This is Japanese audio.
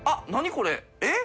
これえっ？